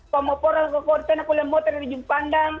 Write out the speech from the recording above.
pemoporan kekuatan aku lemot dari sejuk pandang